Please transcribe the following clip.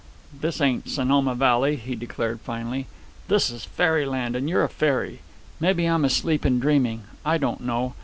"This ain't Sonoma Valley," he declared finally. "This is fairy land, and you're a fairy. Mebbe I'm asleep and dreaming. I don't know.